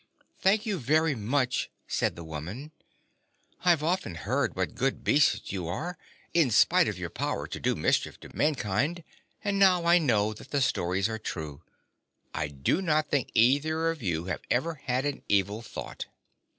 "Thank you very much," said the woman. "I've often heard what good beasts you are, in spite of your power to do mischief to mankind, and now I know that the stories are true. I do not think either of you have ever had an evil thought."